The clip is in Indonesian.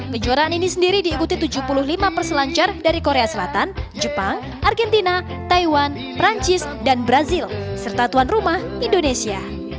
kejuaraan ini sendiri diikuti tujuh puluh lima perselancar dari korea selatan jepang argentina taiwan perancis dan brazil serta tuan rumah indonesia